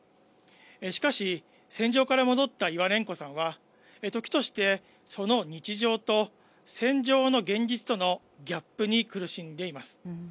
しかし、戦場から戻ったイワネンコさんは、時としてその日常と戦場の現実とのギャップに苦しんでいます。